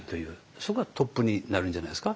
そこがトップになるんじゃないですか。